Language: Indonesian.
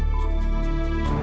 pak aku mau pergi